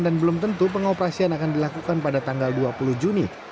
dan belum tentu pengoperasian akan dilakukan pada tanggal dua puluh juni